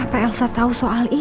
apa elsa tau soal ini ya